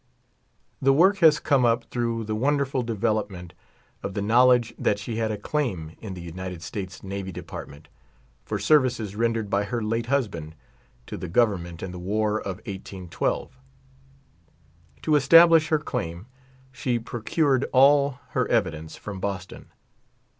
The work has come up through the wonderful development of the knowledge that slie had a claim in the United States Navy Department, for ser vices rendered by lier late husband to the Government in the war of 1812. To establish her claim she procured all her evidence from Boston.